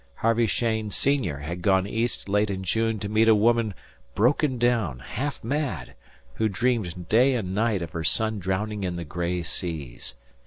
Harvey Cheyne, senior, had gone East late in June to meet a woman broken down, half mad, who dreamed day and night of her son drowning in the gray seas.